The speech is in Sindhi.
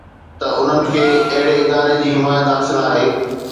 ته انهن کي اهڙي اداري جي حمايت حاصل آهي